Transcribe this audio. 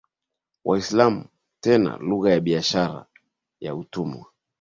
Waislamu tena lugha ya biashara ya watumwa